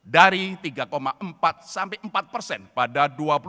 dari tiga empat sampai empat persen pada dua ribu dua puluh